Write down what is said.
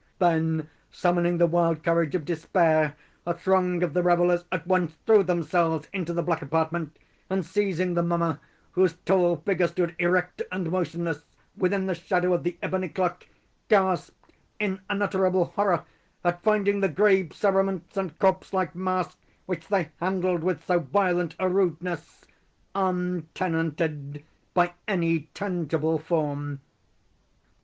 Then, summoning the wild courage of despair, a throng of the revellers at once threw themselves into the black apartment, and, seizing the mummer, whose tall figure stood erect and motionless within the shadow of the ebony clock, gasped in unutterable horror at finding the grave cerements and corpse like mask which they handled with so violent a rudeness, untenanted by any tangible form.